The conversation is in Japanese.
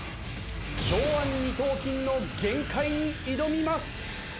上腕二頭筋の限界に挑みます。